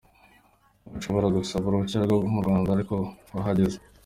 Ubu ushobora gusaba uruhushya rwo murwanda aruko wahageze.